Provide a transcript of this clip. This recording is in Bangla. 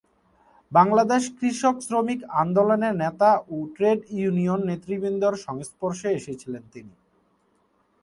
বাংলাদেশ কৃষক শ্রমিক আন্দোলনের নেতা ও ট্রেড ইউনিয়ন নেতৃবৃন্দের সংস্পর্শে এসেছিলেন তিনি।